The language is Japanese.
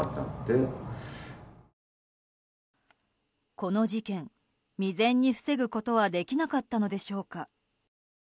この事件、未然に防ぐことはできなかったのでしょうか。